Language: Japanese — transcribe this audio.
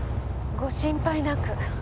ご心配なく。